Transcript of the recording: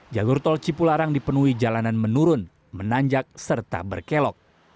jalur tol cipularang dipenuhi jalanan menurun menanjak serta berkelok